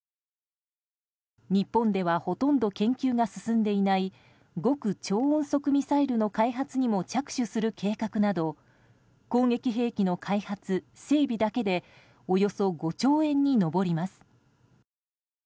日本ではほとんど研究が進んでいない極超音速ミサイルの開発にも着手する計画など攻撃兵器の開発・整備だけでおよそ５兆円に上ります。